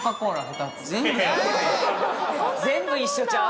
全部一緒ちゃう？